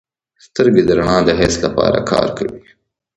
سترګې د رڼا د حس لپاره کار کوي.